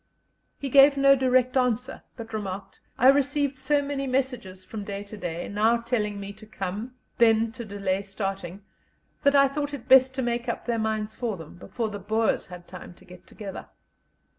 He gave no direct answer, but remarked: "I received so many messages from day to day, now telling me to come, then to delay starting, that I thought it best to make up their minds for them, before the Boers had time to get together."